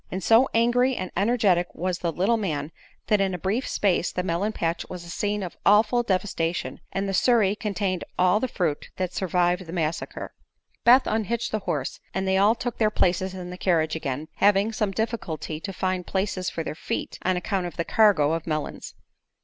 And so angry and energetic was the little man that in a brief space the melon patch was a scene of awful devastation, and the surrey contained all the fruit that survived the massacre. Beth unhitched the horse and they all took their places in the carriage again, having some difficulty to find places for their feet on account of the cargo of melons.